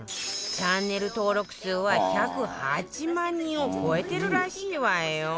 チャンネル登録数は１０８万人を超えてるらしいわよ